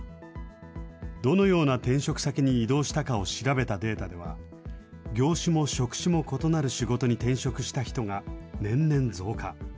どのような転職先に移動したかを調べたデータでは、業種も職種も異なる仕事に転職した人が年々増加。